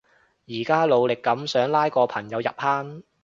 而家努力噉想拉個朋友入坑